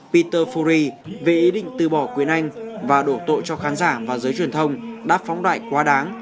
peter furi về ý định từ bỏ quyền anh và đổ tội cho khán giả và giới truyền thông đã phóng đại quá đáng